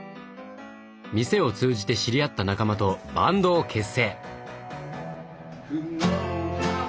店を通じて知り合った仲間とバンドを結成！